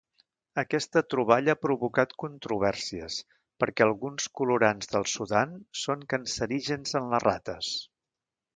Aquesta troballa ha provocat controvèrsies perquè alguns colorants del Sudan són cancerígens en les rates.